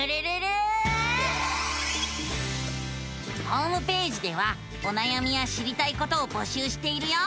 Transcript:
ホームページではおなやみや知りたいことを募集しているよ。